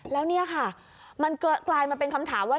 แล้วเนี่ยค่ะมันกลายมาเป็นคำถามว่า